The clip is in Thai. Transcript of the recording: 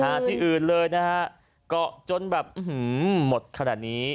ที่อื่นเลยนะฮะเกาะจนแบบอื้อหือหมดขนาดนี้